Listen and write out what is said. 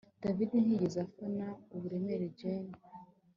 David ntiyigeze afatana uburemere Jane